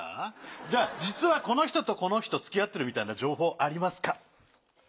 じゃ実はこの人とこの人付き合ってるみたいな情報ありますか？